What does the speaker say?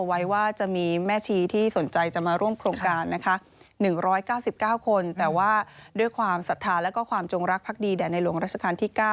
ความศรัทธาและความจงรักภักดีแด่ในหลวงราชการที่๙